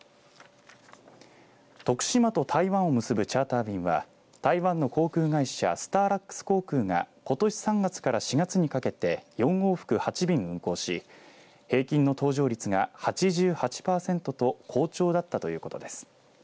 徳島と台湾を結ぶチャーター便は台湾の航空会社スターラックス航空がことし３月から４月にかけて４往復８便運航し平均の搭乗率が８８パーセントと好調だったということです。